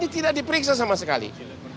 tidak di periksa sama sekali